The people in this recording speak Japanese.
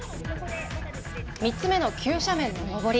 ３つ目の急斜面の登り